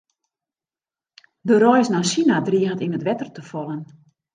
De reis nei Sina driget yn it wetter te fallen.